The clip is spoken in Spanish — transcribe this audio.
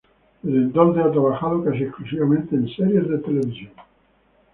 Desde entonces, ha trabajado casi exclusivamente en series de televisión.